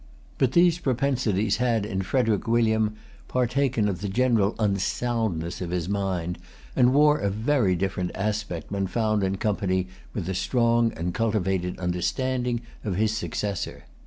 But these propensities had in Frederic William partaken of the general unsoundness of his mind, and wore a very different aspect when found in company with the strong and cultivated understanding of his successor.